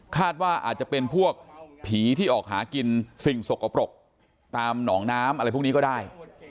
ว่าอาจจะเป็นพวกผีที่ออกหากินสิ่งสกปรกตามหนองน้ำอะไรพวกนี้ก็ได้